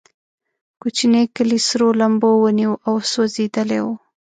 کوچنی کلی سرو لمبو ونیو او سوځېدلی و.